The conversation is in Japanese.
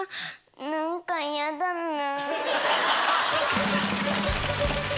何か嫌だなぁ。